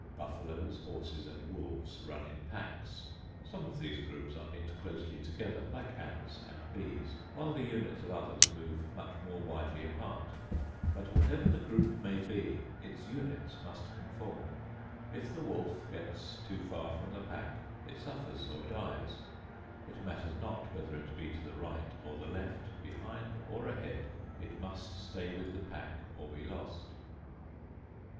Buffaloes, horses and wolves run in packs. Some of these groups are knit closely together like ants and bees, while the units of others move much more widely apart. But whatever the group may be, its units must conform. If the wolf gets too far from the pack it suffers or dies; it matters not whether it be to the right or the left, behind or ahead, it must stay with the pack or be lost.